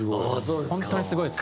本当にすごいです。